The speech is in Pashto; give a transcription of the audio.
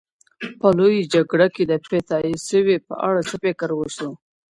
په لویه جرګه کي د تلپاتي سولي په اړه څه پرېکړه وسوه؟